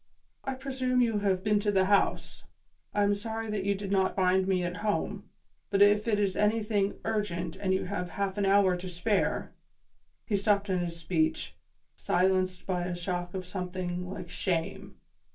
"I presume you have been to the house. I am sorry that you did not find me at home, but if it is anything urgent and you have half an hour to spare " He stopped in his speech, silenced by a shock of something like shame.